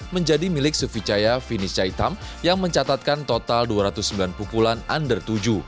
menjadi milik suficaya finisca hitam yang mencatatkan total dua ratus sembilan pukulan under tujuh